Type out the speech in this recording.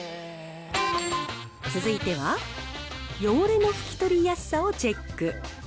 続いては、汚れの拭き取りやすさをチェック。